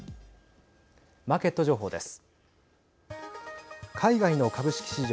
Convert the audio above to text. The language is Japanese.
マーケット情報です。